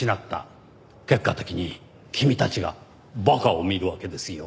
結果的に君たちが馬鹿を見るわけですよ。